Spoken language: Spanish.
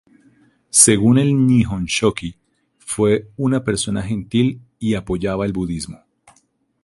Según el "Nihonshoki", fue una persona gentil y apoyaba el budismo.